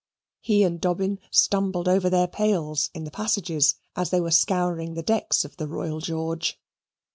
He and Dobbin stumbled over their pails in the passages as they were scouring the decks of the Royal George.